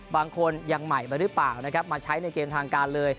บางคนยังใหม่ไปหรือเปล่านะครับมาใช้ในเกมทางการเลย